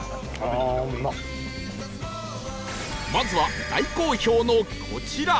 まずは大好評のこちら